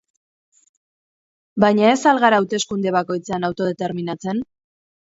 Baina ez al gara hauteskunde bakoitzean autodeterminatzen?